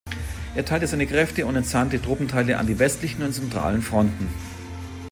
Er teilte seine Kräfte und entsandte Truppenteile an die westlichen und zentralen Fronten.